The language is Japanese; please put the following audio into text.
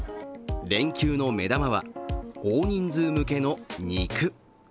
連休の目玉は大人数向けの肉。